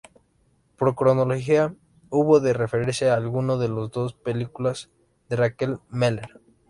Por cronología, hubo de referirse a alguno de los dos películas de Raquel Meller.